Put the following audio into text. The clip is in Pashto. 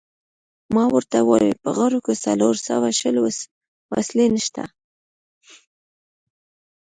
ما ورته وویل: په غرو کې څلور سوه شل وسلې نشته.